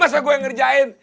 masa gue yang ngerjain